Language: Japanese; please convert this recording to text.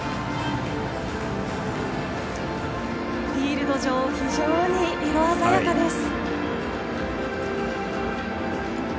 「フィールド上非常に色鮮やかです」。